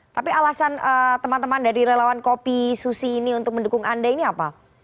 tapi alasan teman teman dari relawan kopi susi ini untuk mendukung anda ini apa